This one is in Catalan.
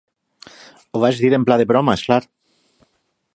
Ho vaig dir en pla de broma, és clar